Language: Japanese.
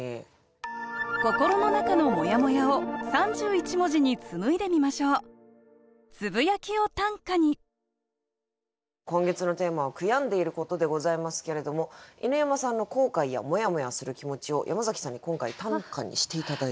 心の中のモヤモヤを３１文字に紡いでみましょう今月のテーマは「悔やんでいること」でございますけれども犬山さんの後悔やモヤモヤする気持ちを山崎さんに今回短歌にして頂いたという。